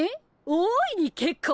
大いに結構！